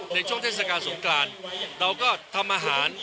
เทศกาลสงกรานเราก็ทำอาหาร